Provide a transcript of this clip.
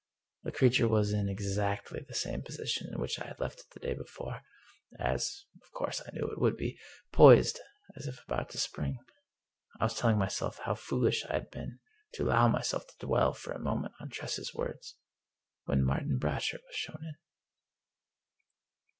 The crea ture was in exactly the same position in which I had left it the day before — ^as, of course, I knew it would be — poised, as if about to spring. I was telling myself how foolish I had been to allow myself to dwell for a moment on Tress's words, when Martin Brasher was shown in.